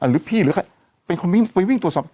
หรือพี่หรือใครเป็นคนวิ่งไปวิ่งตรวจสอบ